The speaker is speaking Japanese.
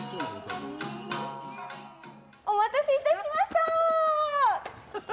お待たせいたしました！